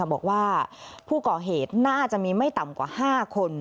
บอกว่าผู้ก่อเหตุน่าจะมีไม่ต่ำกว่า๕คน